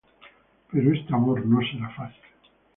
Pero este amor no será fácil.